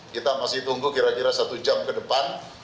kita masih tunggu kira kira satu jam ke depan